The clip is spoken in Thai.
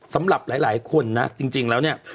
สำหรับหลายคนนะจริงแล้วเนี่ย